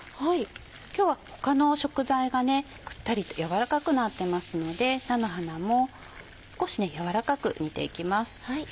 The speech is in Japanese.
今日は他の食材がくったりと軟らかくなってますので菜の花も少し軟らかく煮ていきます。